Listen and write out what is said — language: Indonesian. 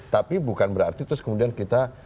tapi bukan berarti terus kemudian kita